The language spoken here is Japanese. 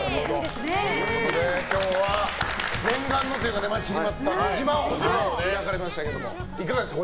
今日は念願のというか待ちに待った児嶋王が開かれましたけどもいかがでしたか？